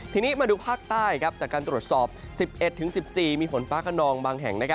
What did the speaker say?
ทีนี้มาดูภาคใต้จากการตรวจสอบ๑๑๑๔มีฝนฟ้าขนองบางแห่ง